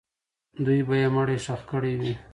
دوی به یې مړی ښخ کړی وي.